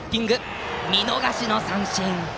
見逃し三振。